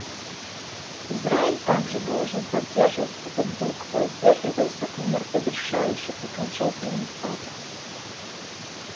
Израиль также должен поддерживать этот дух, воздерживаясь от мер, предрешающих окончательный статус.